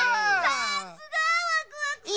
さすがワクワクさん！